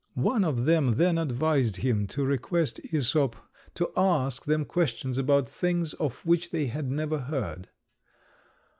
One of them then advised him to request Æsop to ask them questions about things of which they had never heard.